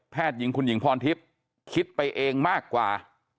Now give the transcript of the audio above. หญิงคุณหญิงพรทิพย์คิดไปเองมากกว่า